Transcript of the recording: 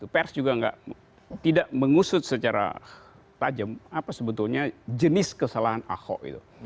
pers juga tidak mengusut secara tajam apa sebetulnya jenis kesalahan ahok itu